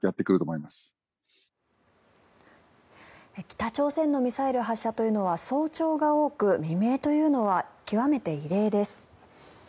北朝鮮のミサイル発射というのは早朝が多く未明というのは極めて異例です。